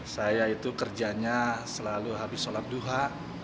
saya itu kerjanya selalu habis sholat duha